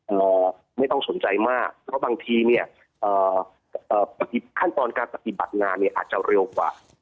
รอไม่ต้องสนใจมากเพราะบางทีเนี่ยเอ่อขั้นตอนการปฏิบัติงานเนี่ยอาจจะเร็วกว่า